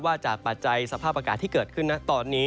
จากปัจจัยสภาพอากาศที่เกิดขึ้นนะตอนนี้